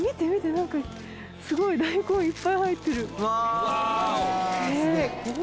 なんかすごい大根いっぱい入ってる！